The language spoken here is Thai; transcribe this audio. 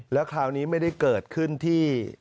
แล้วคราวนี้ไม่ได้เกิดขึ้นที่